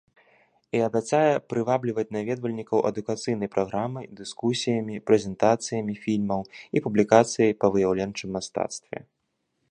І абяцае прывабліваць наведвальнікаў адукацыйнай праграмай, дыскусіямі, прэзентацыямі фільмаў і публікацый па выяўленчым мастацтве.